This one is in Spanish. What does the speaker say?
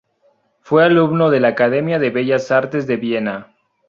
Fue alumno de la Academia de Bellas Artes de Viena.